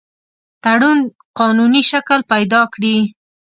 تړون قانوني شکل پیدا کړي.